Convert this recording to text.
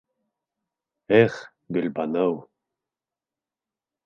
Эх Гөлбаныу!